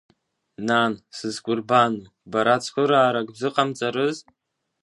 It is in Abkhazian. Нан, сызкәырбану, бара цхыраарак бзыҟамҵарыз?